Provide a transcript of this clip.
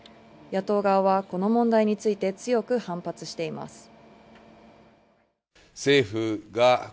野党側はこの問題について強く反発しています。